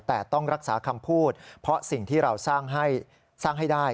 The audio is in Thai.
แต่ต้องรักษาคำพูดเพราะสิ่งที่เราสร้างให้ได้